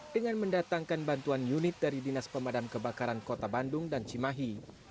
dengan mendatangkan bantuan unit dari dinas pemadam kebakaran kota bandung dan cimahi